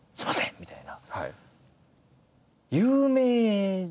みたいな。